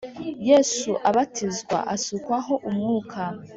Yesu abatizwa asukwaho umwuka